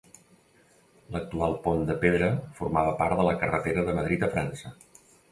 L'actual pont de pedra formava part de la carretera de Madrid a França.